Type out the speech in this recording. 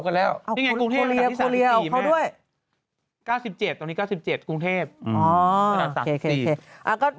๙๗ตอนนี้๙๗กรุงเทพฯ